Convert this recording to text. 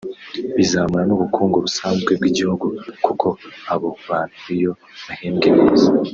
bizamura n’ubukungu busanzwe bw’igihugu kuko abo bantu iyo bahembwe neza